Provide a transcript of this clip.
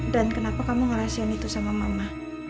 dan kenapa kamu ngelaksikan itu sama mama